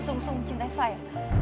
sungguh sungguh mencintai saya